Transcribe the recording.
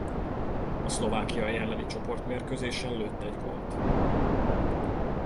A Szlovákia elleni csoportmérkőzésen lőtt egy gólt.